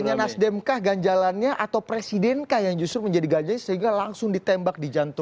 hanya nasdem kah ganjalannya atau presidenkah yang justru menjadi ganjalan sehingga langsung ditembak di jantung